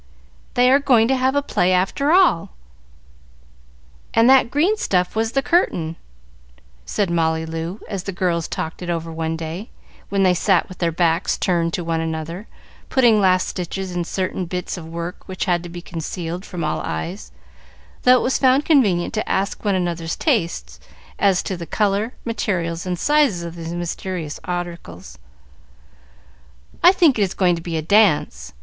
"They are going to have a play, after all, and that green stuff was the curtain," said Molly Loo, as the girls talked it over one day, when they sat with their backs turned to one another, putting last stitches in certain bits of work which had to be concealed from all eyes, though it was found convenient to ask one another's taste as to the color, materials, and sizes of these mysterious articles. "I think it is going to be a dance.